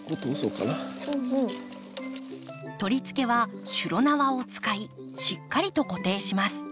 取り付けはしゅろ縄を使いしっかりと固定します。